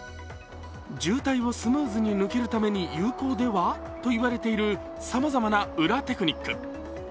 渋滞をスムーズに抜けるために有効では？と言われているさまざまな裏テクニック。